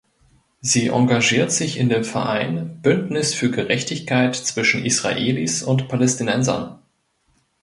Sie engagiert sich in dem Verein „Bündnis für Gerechtigkeit zwischen Israelis und Palästinensern“.